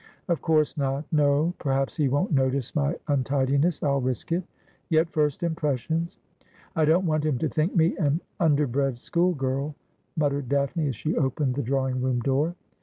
' Of course not. No ; perhaps he won't notice my untidi ness. I'll risk it. Yet first impressions I don't want him to think me an underbred school girl,' muttered Daphne as she opened the drawing room door.